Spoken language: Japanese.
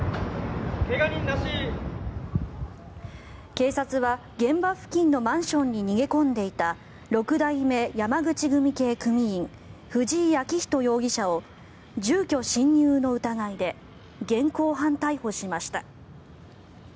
警察は現場付近のマンションに逃げ込んでいた六代目山口組系組員藤井紋寛容疑者を住居侵入の疑いで現行犯逮捕しました。